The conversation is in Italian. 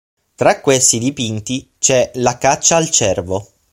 Tra questi dipinti c'è la "Caccia al cervo".